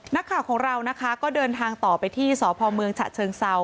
นักข่าวของเรานะคะก็เดินทางต่อไปที่สพเมืองฉะเชิงเซา